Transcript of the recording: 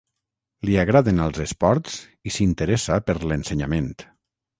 Li agraden els esports i s'interessa per l'ensenyament.